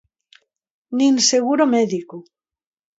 Nin seguro médico.